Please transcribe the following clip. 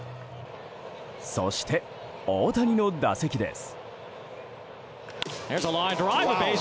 そして、大谷の打席です。